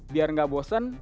biar enggak bosan